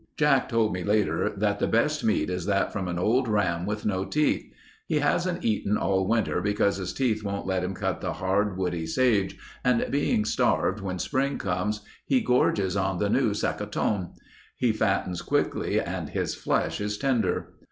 Jack told me later that the best meat is that from an old ram with no teeth. "He hasn't eaten all winter, because his teeth won't let him cut the hard, woody sage and being starved when spring comes, he gorges on the new sacatone. He fattens quickly and his flesh is tender."